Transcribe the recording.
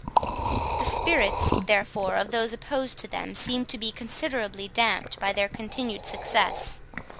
The spirits, therefore, of those opposed to them, seemed to be considerably damped by their continued success.